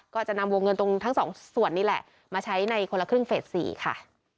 ก็จะนำวงเงินตรงทั้งสองส่วนนี่แหละมาใช้ในคนละครึ่งเฟส๔ค่ะ